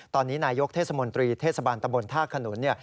ตอนนี้นายยกเทศมนตรีเทศบาลตำบลท่าขนุน